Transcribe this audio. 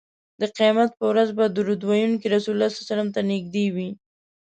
د قیامت په ورځ به درود ویونکی رسول الله ته نږدې وي